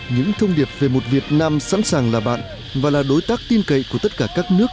những thông điệp về một việt nam sẵn sàng là bạn và là đối tác tin cậy của tất cả các nước